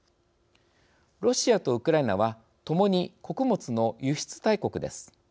ロシアとウクライナはともに穀物の輸出大国です。